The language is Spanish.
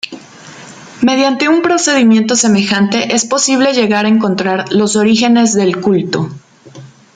Mediante un procedimiento semejante es posible llegar a encontrar los orígenes del culto.